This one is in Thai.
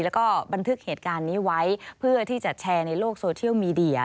แล้วก็บันทึกเหตุการณ์นี้ไว้เพื่อที่จะแชร์ในโลกโซเชียลมีเดีย